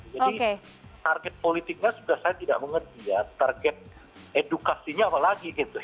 jadi target politiknya sudah saya tidak mengerti ya target edukasinya apa lagi gitu